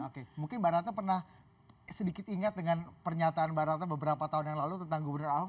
oke mungkin mbak ratna pernah sedikit ingat dengan pernyataan mbak ratna beberapa tahun yang lalu tentang gubernur ahok